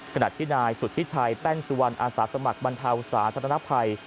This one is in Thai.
ขณะที่นายสุธิชัยแป้นสุวรรณอาสาสมัครบรรเทาสาธารณภัย